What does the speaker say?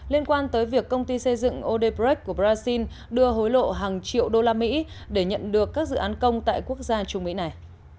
liên quan tới việc công ty xây dựng odeprech của brazil đưa hối lộ hàng triệu đô la mỹ để nhận được các dự án công tại quốc gia trung mỹ này